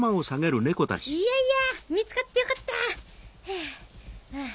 いやいや見つかってよかったハァハァ。